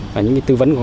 và những tư vấn của họ